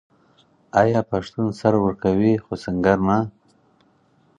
آیا پښتون سر ورکوي خو سنګر نه؟